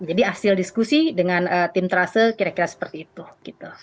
hasil diskusi dengan tim trase kira kira seperti itu gitu